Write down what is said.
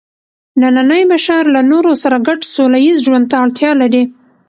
نننی بشر له نورو سره ګډ سوله ییز ژوند ته اړتیا لري.